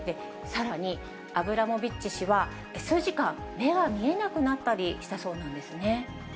さらに、アブラモビッチ氏は数時間、目が見えなくなったりしたそうなんですね。